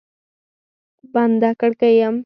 بنده کړکۍ یم